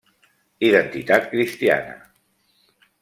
Identitat Cristiana.